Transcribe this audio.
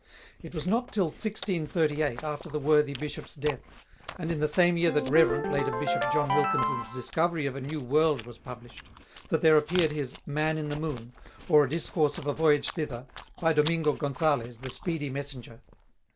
It was not till 1638, after the worthy Bishop's death, and in the same year that Rev. (later Bishop) John Wilkins' Discovery of a New World was published, that there appeared his "Man in the Moone; or a Discourse of a Voyage Thither, by Domingo Gonsales, the Speedy Messenger."